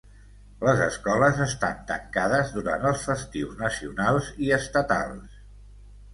Les escoles estan tancades durant els festius nacionals i estatals.